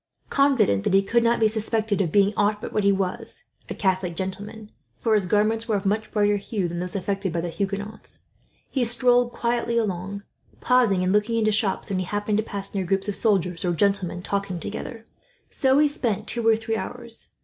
Confident that he could not be suspected of being ought but what he appeared, a Catholic gentleman for his garments were of much brighter hue than those affected by the Huguenots he strolled quietly along, pausing and looking into shops when he happened to pass near groups of soldiers or gentlemen talking together. So he spent two or three hours.